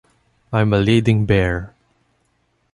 I'm a leading bear.